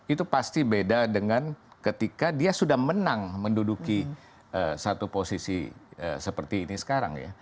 itu pasti beda dengan ketika dia sudah menang menduduki satu posisi seperti ini sekarang ya